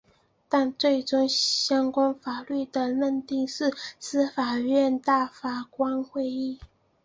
但最终相关法律的认定是司法院大法官会议。